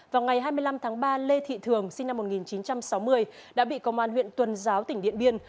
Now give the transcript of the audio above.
vào ngày hai mươi năm tháng ba lê thị thường sinh năm một nghìn chín trăm sáu mươi đã bị công an huyện tuần giáo tỉnh điện biên